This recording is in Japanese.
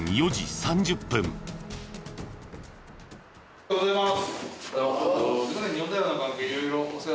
おはようございます。